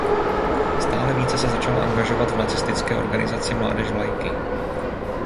Stále více se začal angažovat v nacistické organizaci Mládež Vlajky.